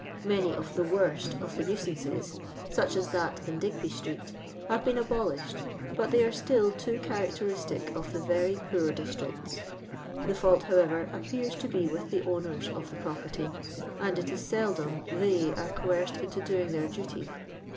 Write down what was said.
Many of the worst of the nuisances (sueh ss that in Digby street) ham been abolished, hut they are still too characteristic of the very poor districts. The fault, however, appears to be with the owners of property, and it is seldom theg are coerced into doing their duty.